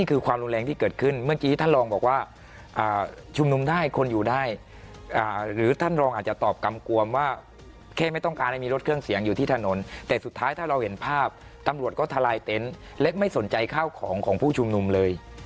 คือความรุนแรงที่เกิดขึ้นเมื่อกี้ท่านรองบอกว่าชุมนุมได้คนอยู่ได้หรือท่านรองอาจจะตอบกำกวมว่าแค่ไม่ต้องการให้มีรถเครื่องเสียงอยู่ที่ถนนแต่สุดท้ายถ้าเราเห็นภาพตำรวจก็ทลายเต็นต์เล็กไม่สนใจข้าวของของผู้ชุมนุมเลย